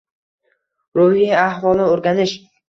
Ruhiy ahvolni oʻrganish